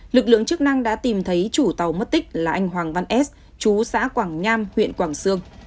lực lượng chức năng đã tìm thấy chủ tàu mất tích là anh hoàng văn s chú xã quảng nham huyện quảng sương